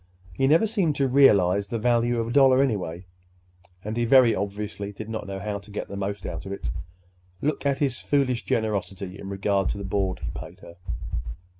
He never seemed to realize the value of a dollar, anyway, and he very obviously did not know how to get the most out of it. Look at his foolish generosity in regard to the board he paid her!